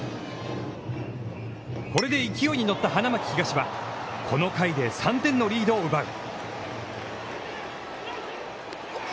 これで勢いに乗った花巻東は、この回で３点のリードを奪う。